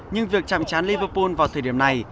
nhưng việc chạm chán liverpool vào thời điểm này